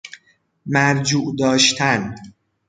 مرجوع داشتن